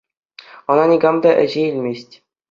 Ӑна никам та ӗҫе илмест.